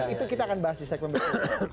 itu kita akan bahas di segmen berikutnya